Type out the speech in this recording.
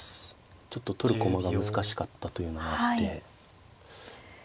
ちょっと取る駒が難しかったというのもあって。